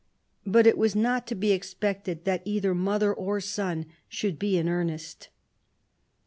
But it was not to be expected that either mother or son should be in earnest.